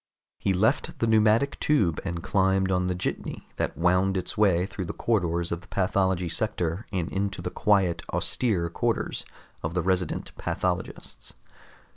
He left the pneumatic tube and climbed on the jitney that wound its way through the corridors of the pathology sector and into the quiet, austere quarters of the resident pathologists.